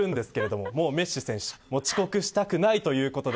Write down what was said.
もうメッシ選手遅刻したくないことで